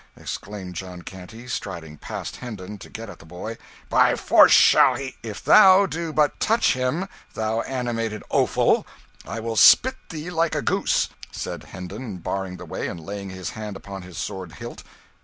exclaimed John Canty, striding past Hendon to get at the boy; "by force shall he " "If thou do but touch him, thou animated offal, I will spit thee like a goose!" said Hendon, barring the way and laying his hand upon his sword hilt.